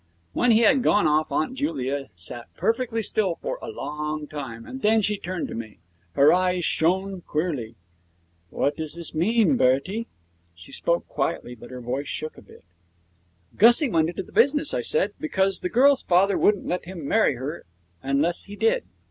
When he had gone off Aunt Julia sat perfectly still for a long time, and then she turned to me. Her eyes shone queerly. 'What does this mean, Bertie?' She spoke quite quietly, but her voice shook a bit. 'Gussie went into the business,' I said, 'because the girl's father wouldn't let him marry her unless he did.